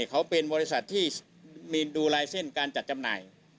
เขาเป็นบริษัทที่มีดูลายเส้นการจัดจำหน่าย